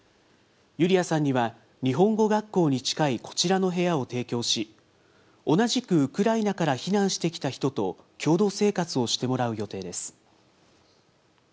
ユリアさんには、日本語学校に近いこちらの部屋を提供し、同じくウクライナから避難してきた人と共同生活をしてもらう予定です。